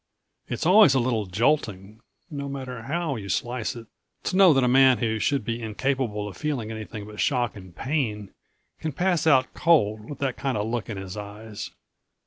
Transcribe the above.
It's always a little jolting, no matter how you slice it, to know that a man who should be incapable of feeling anything but shock and pain can pass out cold with that kind of look in his eyes.